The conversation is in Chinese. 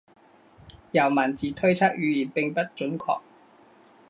由文字推测语言并不准确。